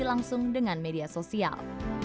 atau mengeleksi langsung dengan media sosial